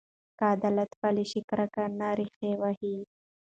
که عدالت پلی شي، کرکه نه ریښې وهي.